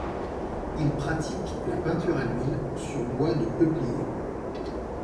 Il pratique la peinture à l’huile sur bois de peuplier.